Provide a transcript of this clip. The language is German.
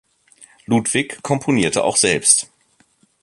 Ludwig komponierte auch selbst.